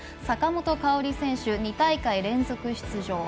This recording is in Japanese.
坂本花織選手、２大会連続出場。